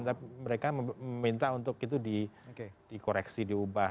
tapi mereka meminta untuk itu dikoreksi diubah